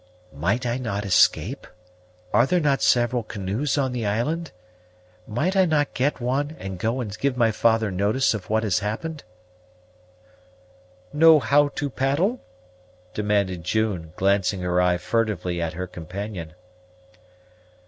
"Might I not escape? Are there not several canoes on the island? Might I not get one, and go and give my father notice of what has happened?" "Know how to paddle?" demanded June, glancing her eye furtively at her companion.